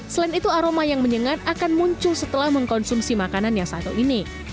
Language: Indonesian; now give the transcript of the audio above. selain itu aroma yang menyengat akan muncul setelah mengkonsumsi makanan yang satu ini